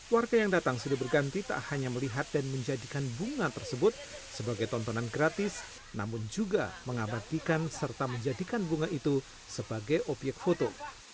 warga yang datang sudah berganti tak hanya melihat dan menjadikan bunga tersebut sebagai tontonan gratis namun juga mengabadikan serta menjadikan bunga itu sebagai obyek foto